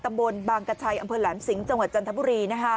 บางกระชัยอำเภอแหลมสิงห์จังหวัดจันทบุรี